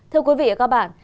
thưa quý vị và các bạn